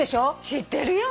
知ってるよ！